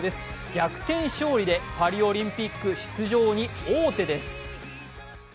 逆転勝利でパリオリンピック出場に王手です。